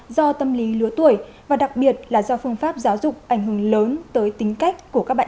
do tâm lý lứa tuổi và đặc biệt là do phương pháp giáo dục ảnh hưởng lớn tới tính cách của các bạn